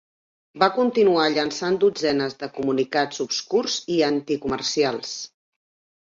Va continuar llançant dotzenes de comunicats obscurs i anticomercials.